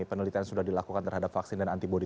penelitian sudah dilakukan terhadap vaksin dan antibody